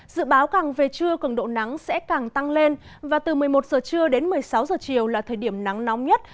dự báo càng về trưa cường độ nắng sẽ càng tăng lên và từ một mươi một giờ trưa đến một mươi sáu giờ chiều là thời điểm nắng nóng nhất